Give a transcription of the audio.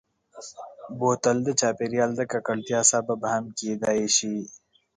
بوتل د چاپېریال د ککړتیا سبب هم کېدای شي.